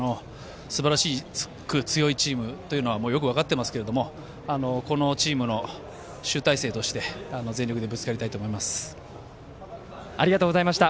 すばらしく強いチームということはもうよく分かっていますけれどもこのチームの集大成としてありがとうございました。